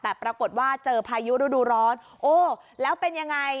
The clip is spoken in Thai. แต่ปรากฏว่าเจอพายุฤดูร้อนโอ้แล้วเป็นยังไง